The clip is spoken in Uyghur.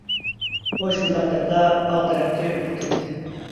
ئۇ شۇنداق دەپلا باغ تەرەپكە ئۆتۈپ كەتتى.